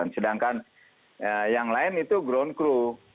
sedangkan yang lain itu ground crew